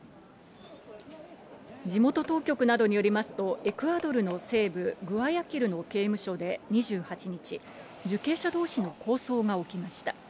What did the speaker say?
地元当局などによりますと、エクアドルの西部グアヤキルの刑務所で２８日、受刑者どうしの抗争が起きました。